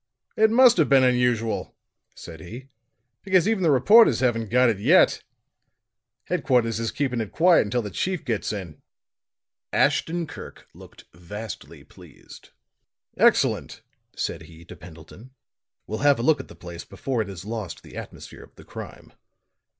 "It must have been unusual," said he, "because even the reporters haven't got it yet; headquarters is keeping it quiet until the chief gets in." Ashton Kirk looked vastly pleased. "Excellent," said he to Pendleton. "We'll have a look at the place before it has lost the atmosphere of the crime."